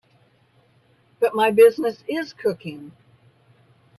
But my business is cooking.